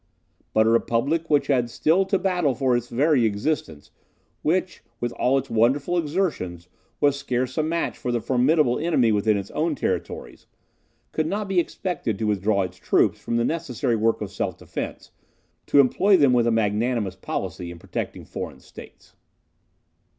But a republic which had still to battle for its very existence, which, with all its wonderful exertions, was scarce a match for the formidable enemy within its own territories, could not be expected to withdraw its troops from the necessary work of self defence to employ them with a magnanimous policy in protecting foreign states.